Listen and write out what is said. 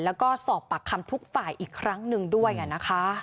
แล้วก็สอบปากคำทุกฝ่ายอีกครั้งหนึ่งด้วยนะคะ